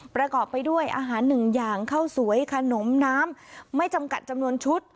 ประกอบไปด้วยอาหารหนึ่งอย่างข้าวสวยขนมน้ำไม่จำกัดจำนวนชุด